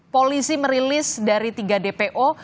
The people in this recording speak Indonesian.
polisi merilis dari tiga dpo